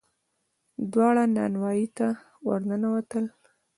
دواړه نانوايي ته ور ننوتل.